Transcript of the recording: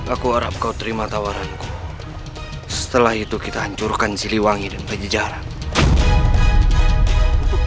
aku harap kau terima tawaranku setelah itu kita hancurkan siliwangi dan pajajaran